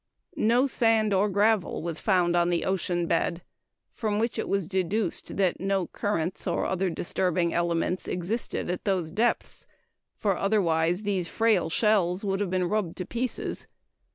No sand or gravel was found on the ocean bed, from which it was deduced that no currents, or other disturbing elements, existed at those depths; for otherwise these frail shells would have been rubbed to pieces.